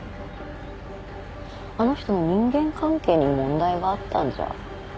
あの人の人間関係に問題があったんじゃ？